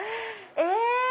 え！